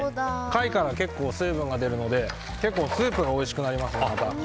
貝から水分が出るので結構、スープがおいしくなります。